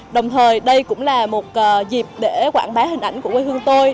đồng thời đây cũng là một dịp để quảng bá hình ảnh của quê hương tôi